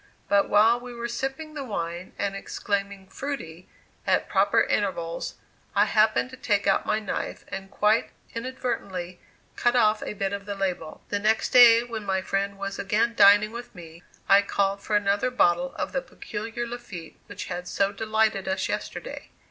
But while we were sipping the wine and exclaiming "fruity" at proper intervals, I happened to take out my knife and quite inadvertently cut off a bit of the label. The next day when my friend was again dining with me I called for another bottle of the peculiar Lafitte which had so delighted us yesterday.